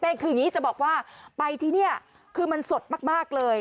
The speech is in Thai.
แต่คืออย่างนี้จะบอกว่าไปที่นี่คือมันสดมากเลย